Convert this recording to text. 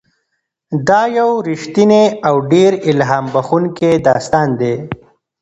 دا یو رښتینی او ډېر الهام بښونکی داستان دی.